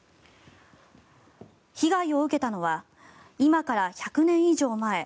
被害を受けたのは今から１００年以上前